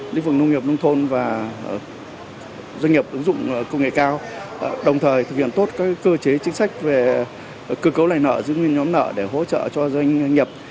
lĩnh vực nông nghiệp nông thôn và doanh nghiệp ứng dụng công nghệ cao đồng thời thực hiện tốt các cơ chế chính sách về cơ cấu lại nợ giữ nguyên nhóm nợ để hỗ trợ cho doanh nghiệp